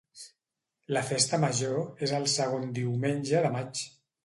La festa major és el segon diumenge de maig.